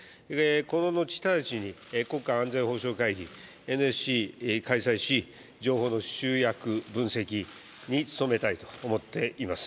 この後、直ちに国家安全保障会議＝ＮＳＣを開催し、情報の集約、分析に努めたいと思っています。